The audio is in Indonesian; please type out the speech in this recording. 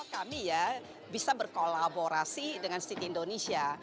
kami ya bisa berkolaborasi dengan city indonesia